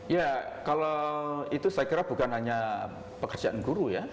ya kalau itu saya kira bukan hanya pekerjaan guru ya